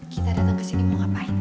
kita datang ke sini mau ngapain